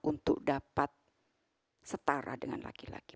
untuk dapat setara dengan laki laki